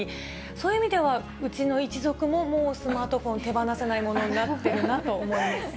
そういう意味では、うちの一族も、もうスマートフォン手放せないものになってるなと思います。